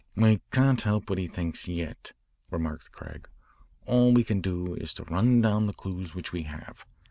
"We can't help what he thinks yet," remarked Craig. "All we can do is to run down the clues which we have.